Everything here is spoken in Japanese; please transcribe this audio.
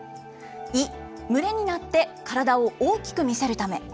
イ、群れになって体を大きく見せるため。